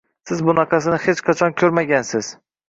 Siz bunaqasini hech qachon koʻrmagansiz